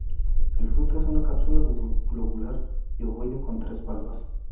El fruto es una cápsula globular y ovoide con tres valvas.